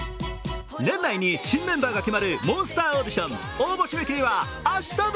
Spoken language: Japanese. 年内に新メンバーが決まるモンスターオーディション。